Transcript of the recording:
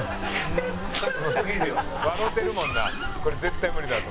笑うてるもんなこれ絶対無理だと。